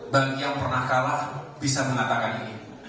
bagi yang pernah kalah bisa mengatakan ini